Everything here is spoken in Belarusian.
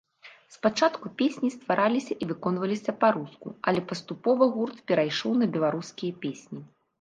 Спачатку песні ствараліся і выконваліся па-руску, але паступова гурт перайшоў на беларускія песні.